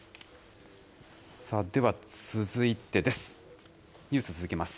さあ、では続いてです。